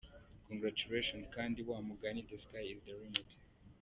Congratulations kandi wamugani the sky is the limit.